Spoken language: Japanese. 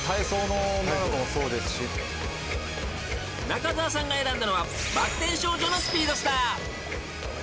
［中澤さんが選んだのはバック転少女のスピードスター］